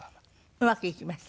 うまくいきました？